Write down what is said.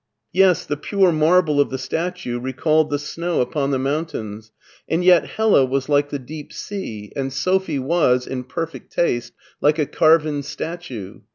Yes, the pure marble of the statue recalled the snow upon the mountains, and yet Hella was like the deep sea, and Sophie was, in perfect taste, like a carven statue.